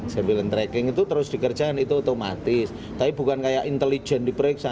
surveillance tracking itu terus dikerjakan itu otomatis tapi bukan kayak intelijen diperiksa